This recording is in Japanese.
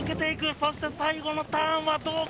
そして最後のターンはどうか？